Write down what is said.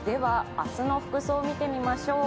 明日の服装見てみましょう。